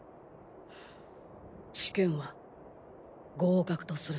試験は合格とする。